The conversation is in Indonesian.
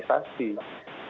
bukanlah sebuah organisasi